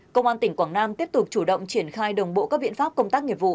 công an tỉnh quảng nam tiếp tục chủ động triển khai đồng bộ các biện pháp công tác nghiệp vụ